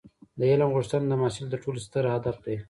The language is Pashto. د علم غوښتنه د محصل تر ټولو ستر هدف دی.